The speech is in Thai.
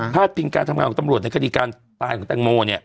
พิงการทำงานของตำรวจในคดีการตายของแตงโม